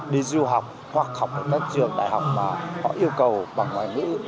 đi du học hoặc học ở các trường đại học mà họ yêu cầu bằng ngoại ngữ